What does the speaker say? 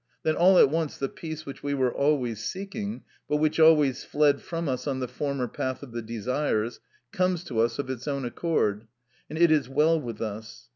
Then all at once the peace which we were always seeking, but which always fled from us on the former path of the desires, comes to us of its own accord, and it is well with us.